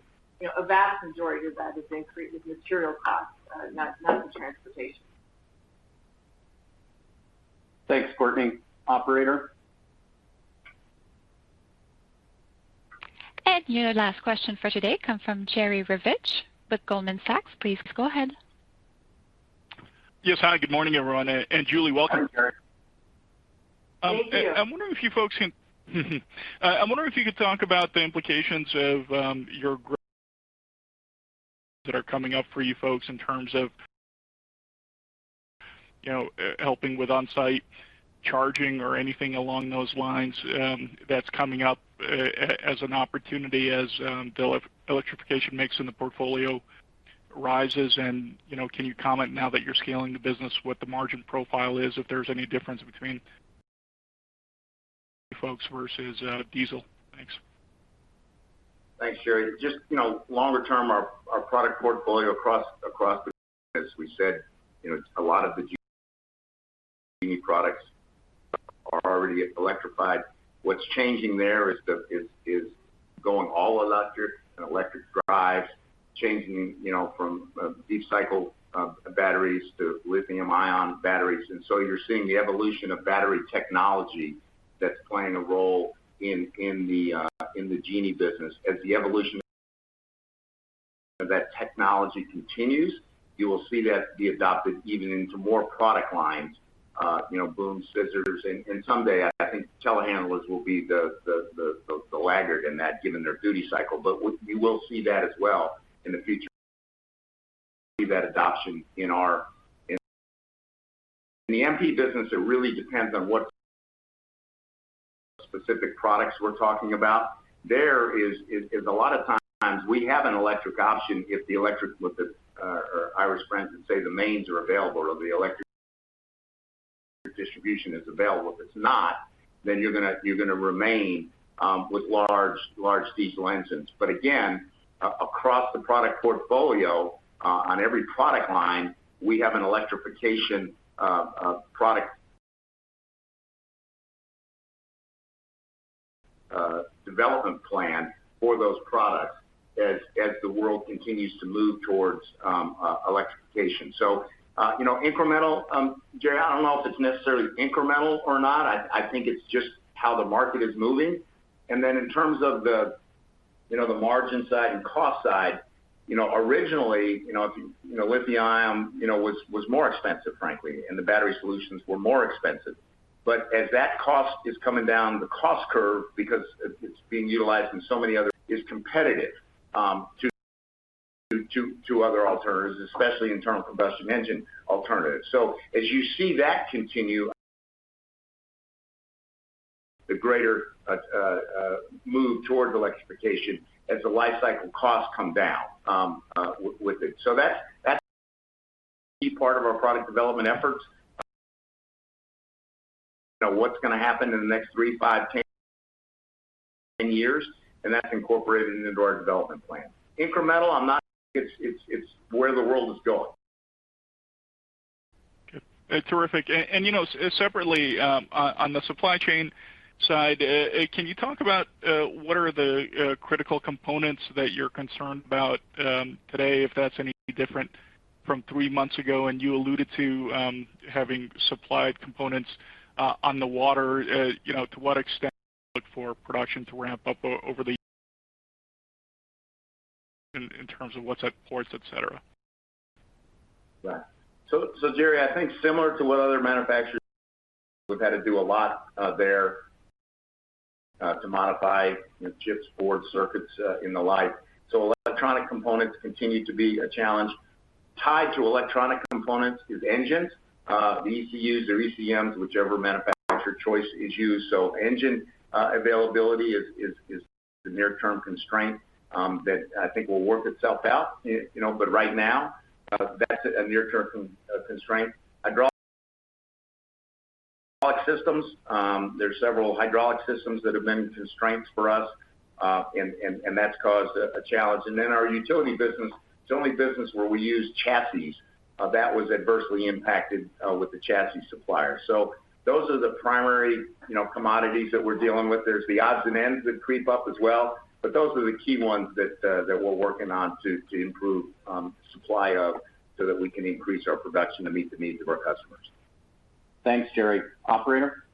know, a vast majority of that is increased with material costs, not the transportation. Thanks, Courtney. Operator. Your last question for today comes from Jerry Revich with Goldman Sachs. Please go ahead. Yes. Hi, good morning, everyone. Julie, welcome. Hi, Jerry. Thank you. I'm wondering if you could talk about the implications of that are coming up for you folks in terms of, you know, helping with on-site charging or anything along those lines, that's coming up as an opportunity as the electrification mix in the portfolio rises. You know, can you comment now that you're scaling the business, what the margin profile is, if there's any difference between electrics versus diesel. Thanks. Thanks, Jerry. Just, you know, longer term, our product portfolio across, as we said, you know, a lot of the Genie products are already electrified. What's changing there is going all electric and electric drives, changing, you know, from deep cycle batteries to lithium-ion batteries. You're seeing the evolution of battery technology that's playing a role in the Genie business. As the evolution of that technology continues, you will see that be adopted even into more product lines, you know, booms, scissors. Someday, I think telehandlers will be the laggard in that given their duty cycle. You will see that as well in the future. See that adoption in our MP business. It really depends on what specific products we're talking about. There is a lot of times we have an electric option if the electric, or Irish friends would say, the mains are available or the electric distribution is available. If it's not, then you're gonna remain with large diesel engines. Again, across the product portfolio, on every product line, we have an electrification product development plan for those products as the world continues to move towards electrification. You know, incremental, Jerry, I don't know if it's necessarily incremental or not. I think it's just how the market is moving. Then in terms of the margin side and cost side, you know, originally, you know, if you know, lithium-ion was more expensive, frankly, and the battery solutions were more expensive. As that cost is coming down the cost curve because it's being utilized in so many other is competitive to other alternatives, especially internal combustion engine alternatives. As you see that continue, the greater move toward electrification as the life cycle costs come down with it. That's a key part of our product development efforts. You know, what's gonna happen in the next three, five, 10 years, and that's incorporated into our development plan. Incremental or not It's where the world is going. Okay. Terrific. You know, separately, on the supply chain side, can you talk about what are the critical components that you're concerned about today, if that's any different from three months ago? You alluded to having supplied components on the water. You know, to what extent for production to ramp up over the year in terms of what's at ports, et cetera? Right. Jerry, I think similar to what other manufacturers, we've had to do a lot there to modify, you know, chips, boards, circuits, and the like. Electronic components continue to be a challenge. Tied to electronic components is engines, the ECUs or ECMs, whichever manufacturer choice is used. Engine availability is the near term constraint that I think will work itself out, you know, but right now, that's a near term constraint. Hydraulic systems, there are several hydraulic systems that have been constraints for us, and that's caused a challenge. Our utility business, it's the only business where we use chassis. That was adversely impacted with the chassis supplier. Those are the primary, you know, commodities that we're dealing with. There's the odds and ends that creep up as well. Those are the key ones that we're working on to improve supply of so that we can increase our production to meet the needs of our customers. Thanks, Jerry. Operator?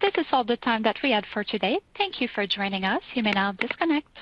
This is all the time that we had for today. Thank you for joining us. You may now disconnect.